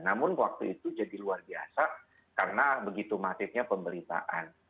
namun waktu itu jadi luar biasa karena begitu masifnya pemberitaan